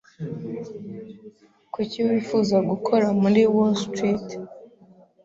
Kuki wifuza gukora kuri Wall Street?